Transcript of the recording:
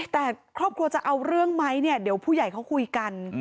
แต่ครอบครัวจะเอาเรื่องไหมเนี่ยเดี๋ยวผู้ใหญ่เขาคุยกัน